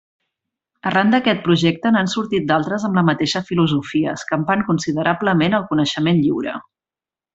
Arran d'aquest projecte n'han sortit d'altres amb la mateixa filosofia, escampant considerablement el coneixement lliure.